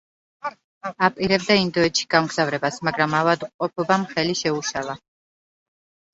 აპირებდა ინდოეთში გამგზავრებას, მაგრამ ავადმყოფობამ ხელი შეუშალა.